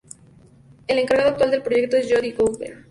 El encargado actual del proyecto es Jody Goldberg.